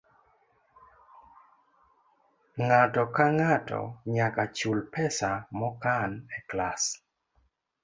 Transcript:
Ng'ato ka ng'ato nyaka chul pesa mokan e klas.